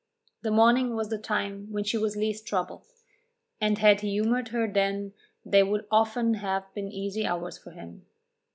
The morning was the time when she was least troubled, and had he humoured her then they would often have been easy hours for him.